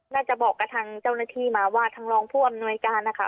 น่าจะบอกกับทางเจ้าหน้าที่มาว่าทางรองผู้อำนวยการนะคะ